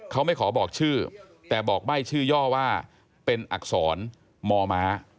เขาไม่ขอบอกชื่อแต่บอกใบ้ชื่อย่อว่าเป็นอักษรมม